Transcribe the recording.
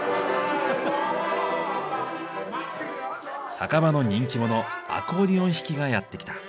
酒場の人気者アコーディオン弾きがやって来た。